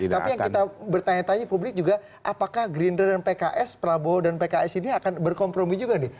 tapi yang kita bertanya tanya publik juga apakah gerindra dan pks prabowo dan pks ini akan berkompromi juga nih